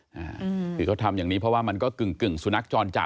คือเขาทำอย่างนี้เพราะว่ามันก็กึ่งกึ่งสุนัขจรจัด